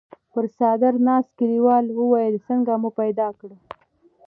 پر څادر ناست کليوال وويل: څنګه مو پيدا کړ؟